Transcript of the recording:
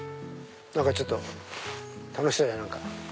何かちょっと楽しそうじゃない？